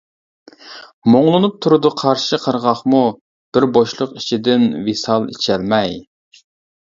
مۇڭلىنىپ تۇرىدۇ قارشى قىرغاقمۇ، بىر بوشلۇق ئىچىدىن ۋىسال ئىچەلمەي.